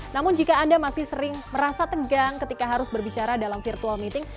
namun jika anda masih sering merasa tegang ketika harus berbicara dalam virtual meeting